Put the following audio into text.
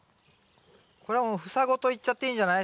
これはもう房ごといっちゃっていいんじゃない？